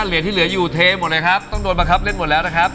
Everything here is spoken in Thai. เหรียญที่เหลืออยู่เทหมดเลยครับต้องโดนบังคับเล่นหมดแล้วนะครับ